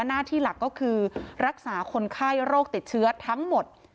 หน้าที่หลักก็คือรักษาคนไข้โรคติดเชื้อทั้งหมด